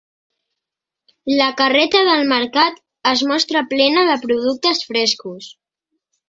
La carreta del mercat es mostra plena de productes frescos.